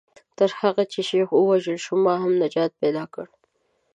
تر هغه چې شیخ ووژل شو ما هم نجات پیدا کړ.